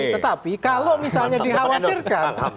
tetapi kalau misalnya dikhawatirkan